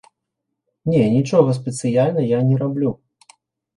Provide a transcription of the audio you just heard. Не, нічога спецыяльна я не раблю.